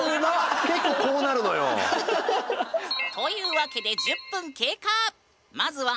結構こうなるのよ。というわけで１０分経過！